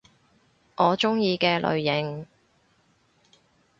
我鍾意嘅類型